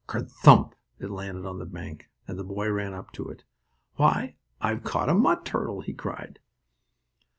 "Ker thump!" it landed on the bank and the boy ran up to it. "Why, I've caught a mud turtle!" he cried.